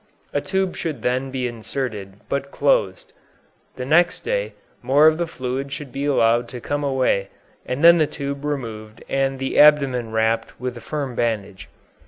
A tube should then be inserted, but closed. The next day more of the fluid should be allowed to come away, and then the tube removed and the abdomen wrapped with a firm bandage.